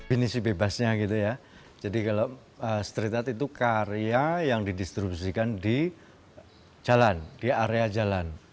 ini sih bebasnya gitu ya jadi kalau street art itu karya yang didistribusikan di jalan di area jalan